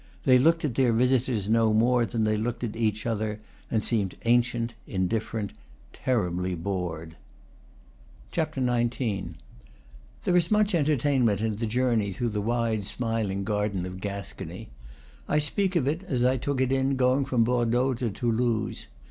They looked at their visitors no more than they looked at each other, and seemed ancient, indifferent, terribly bored. XIX. There is much entertainment in the journey through the wide, smiling garden of Gascony; I speak of it as I took it in going from Bordeaux to Toulouse.